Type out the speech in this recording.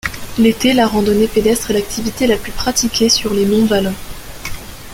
L'été, la randonnée pédestre est l'activité la plus pratiquée sur les Monts-Valins.